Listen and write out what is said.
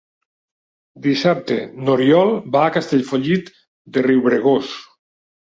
Dissabte n'Oriol va a Castellfollit de Riubregós.